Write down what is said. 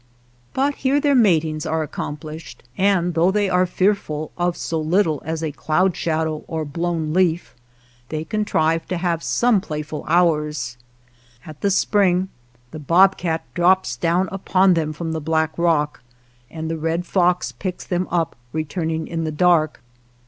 But here their matings are accomplished, and though they are fearful of so little as a cloud shadow or blown leaf, i they contrive to have some playful hours. At the spring the bobcat drops down upon them from the black rock, and the red fox picks them up returning in the dark.